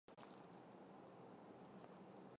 横殖短腺吸虫为双腔科短腺属的动物。